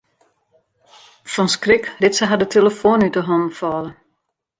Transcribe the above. Fan skrik lit se har de telefoan út 'e hannen falle.